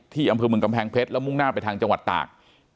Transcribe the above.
ที่อำเภอเมืองกำแพงเพชรแล้วมุ่งหน้าไปทางจังหวัดตาก